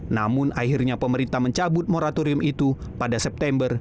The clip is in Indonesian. namun akhirnya pemerintah mencabut moratorium itu pada september dua ribu tujuh belas